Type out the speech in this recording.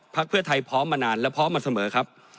เพื่อไทยพร้อมมานานและพร้อมมาเสมอครับ